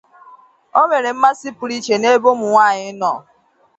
O nwere mmasi puru iche n’ebe umu nwanyi nọ.